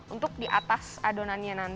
untuk di atas adonannya nanti